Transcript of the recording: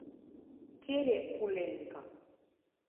Qu’ère Polenka.